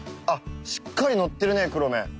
あっしっかりのってるねくろめ。